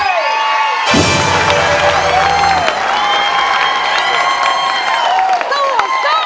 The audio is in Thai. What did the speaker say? สู้สู้